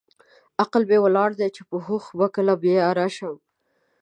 عقل مې ولاړ چې په هوښ به کله بیا راشم.